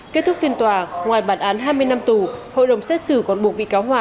kết thúc phiên tòa ngoài bản án hai mươi năm tù hội đồng xét xử còn buộc bị cáo hòa